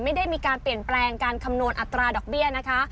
ไม่ได้มีการเปลี่ยนแปลงการคำนวณอัตราดอกเบี้ยนะคะ